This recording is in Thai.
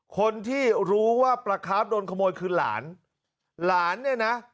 คนที่รู้ว่าปลาคาร์ฟโดนขโมยคือหลานหลานเนี่ยนะ